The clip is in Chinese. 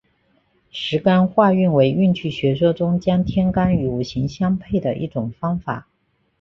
十干化运为运气学说中将天干与五行相配的一种方法。